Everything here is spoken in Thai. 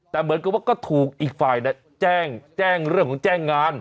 แต่เหมือนกับว่าก็ถูกอีกฝ่ายแจ้งเรื่องของแจ้งงาน